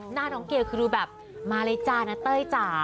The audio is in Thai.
หน้าน้องเกลคือดูแบบมาเลยจ้านะเต้ยจ๋า